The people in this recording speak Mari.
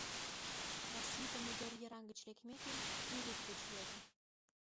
— Васлий помидор йыраҥ гыч лекмеке, Юрик деч йодо.